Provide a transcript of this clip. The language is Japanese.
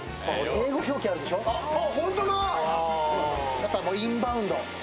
やっぱ、今やインバウンド。